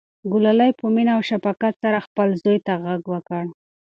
ګلالۍ په مینه او شفقت سره خپل زوی ته غږ وکړ.